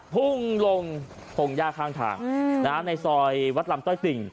พุ่งลงพงยาข้างทางอืมนะฮะในซอยวัดลำต้อยสิ่ง